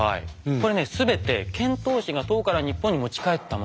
これね全て遣唐使が唐から日本に持ち帰ったものなんですよ。